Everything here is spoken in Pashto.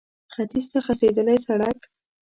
ختيځ ته غځېدلی سړک